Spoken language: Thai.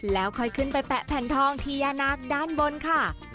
แล้วค่อยขึ้นไปแปะแผ่นทองที่ยานาคด้านบนค่ะ